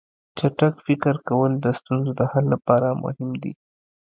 چټک فکر کول د ستونزو د حل لپاره مهم دي.